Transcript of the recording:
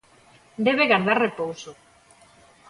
Debe gardar repouso.